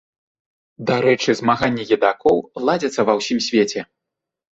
Дарэчы, змаганні едакоў ладзяцца ва ўсім свеце.